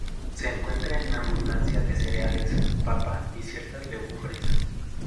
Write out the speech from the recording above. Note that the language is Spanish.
Se encuentra en abundancia en cereales, papa y ciertas legumbres.